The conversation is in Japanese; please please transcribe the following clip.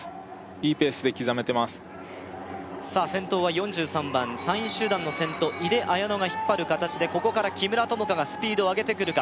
いいペースで刻めてますさあ先頭は４３番３位集団の先頭井手彩乃が引っ張る形でここから木村友香がスピードを上げてくるか